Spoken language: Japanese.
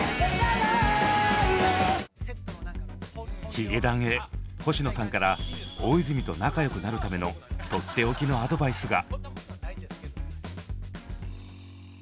ヒゲダンへ星野さんから大泉と仲よくなるためのとっておきのアドバイスが。